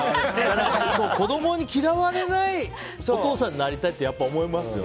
子供に嫌われないお父さんになりたいってやっぱり思いますよね。